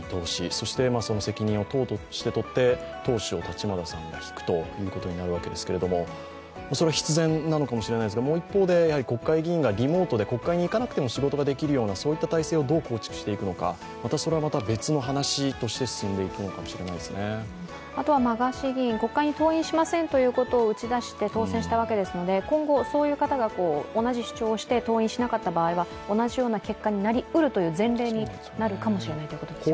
そしてその責任を党として取って党首を立花さんがひくということになるわけですけれども、それは必然なのかもしれませんが、もう一方で、国会議員が国会に行かなくても仕事ができるような態勢をどう構築していくのか、またそれは別の話として進んでいくのかもしれないですね。あとはガーシー議員国会に登院しませんということを打ち出して当選しましたが今後、そういう方が同じ主張をして登院しなかった場合は同じような結果になりうるという前例になるかもしれないということですね。